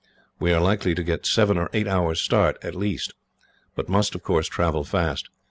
We are likely to get seven or eight hours start, at least; but must, of course, travel fast.